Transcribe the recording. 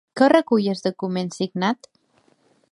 Què recull el document signat?